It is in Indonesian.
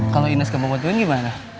kalau ines kebobontuin gimana